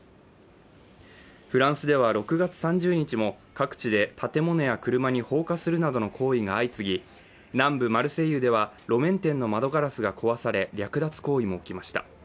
フランスでは６月３０日も各地で建物や車などに放火するなどの行為が相次ぎ南部マルセイユでは路面店の窓ガラスが壊され略奪行為も起きました。